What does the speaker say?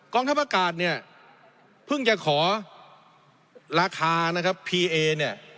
ทัพอากาศเนี่ยเพิ่งจะขอราคานะครับพีเอเนี่ย